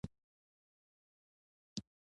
• ونه د روغتیا لپاره ګټوره ده.